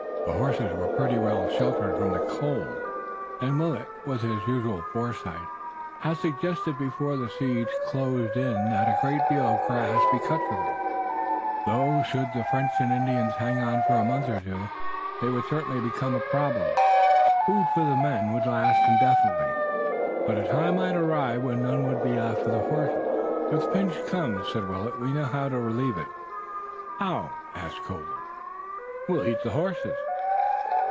The horses were pretty well sheltered from the cold, and Willet, with his usual foresight, had suggested before the siege closed in that a great deal of grass be cut for them, though should the French and Indians hang on for a month or two, they would certainly become a problem. Food for the men would last indefinitely, but a time might arrive when none would be left for the horses. "If the pinch comes," said Willet, "we know how to relieve it." "How?" asked Colden. "We'll eat the horses."